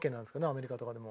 アメリカとかでも。